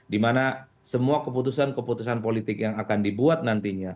dimana semua keputusan keputusan politik yang akan dibuat nantinya